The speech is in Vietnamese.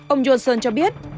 ông johnson cho biết